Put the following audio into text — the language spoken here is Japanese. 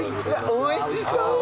おいしそう！